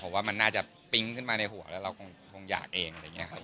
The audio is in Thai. ผมว่ามันน่าจะปิ๊งขึ้นมาในหัวแล้วเราคงอยากเอง